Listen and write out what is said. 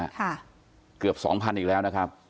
คือเกือบ๒๐๐๐อีกแล้วนะครับ